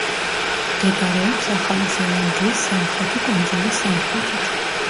მდებარეობს ახალი ზელანდიის სამხრეთი კუნძულის სამხრეთით.